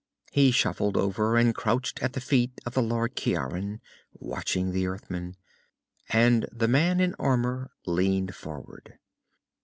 He shuffled over and crouched at the feet of the Lord Ciaran, watching the Earthman. And the man in armor leaned forward.